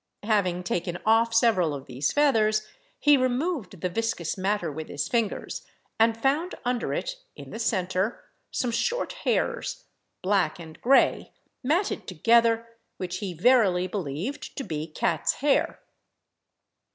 Having taken off several of these feathers, he removed the viscous matter with his fingers, and found under it, in the centre, some short hairs, black and grey, matted together, which he verily believed to be cat's hair.